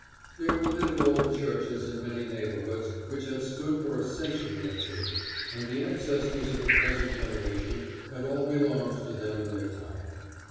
There were little old churches in many neighborhoods which had stood for a century or two, and the ancestors of the present generation had all belonged to them in their time.